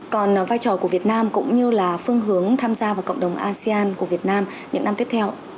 còn vai trò của việt nam cũng như là phương hướng tham gia vào cộng đồng asean của việt nam những năm tiếp theo